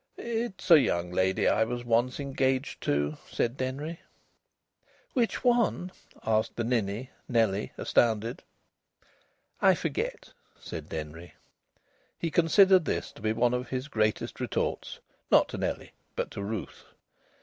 "It's a young lady I was once engaged to," said Denry. "Which one?" asked the ninny, Nellie, astounded. "I forget," said Denry. He considered this to be one of his greatest retorts not to Nellie, but to Ruth.